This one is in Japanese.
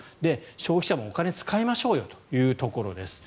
消費者もお金使いましょうというところです。